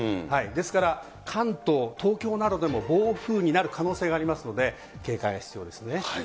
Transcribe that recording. ですから、関東、東京などでも暴風になる可能性がありますので、警戒が必要ですね。